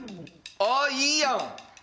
あいいやん！